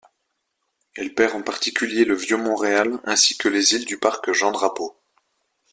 Elle perd en particulier le Vieux-Montréal ainsi que les îles du parc Jean-Drapeau.